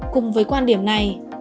cùng với quan điểm này